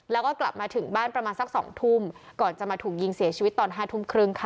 แล้วก็กลับมาถึงบ้านประมาณสักสองทุ่มก่อนจะมาถูกยิงเสียชีวิตตอน๕ทุ่มครึ่งค่ะ